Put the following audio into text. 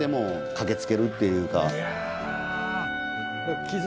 いや。